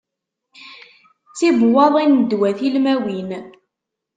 Tibuwaḍin n ddwa tilmawin.